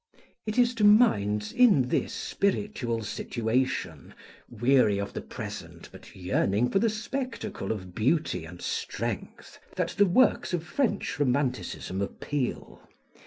It is to minds in this spiritual situation, weary of the present, but yearning for the spectacle of beauty and strength, that the works of French romanticism appeal.